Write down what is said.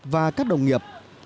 và các tổ chức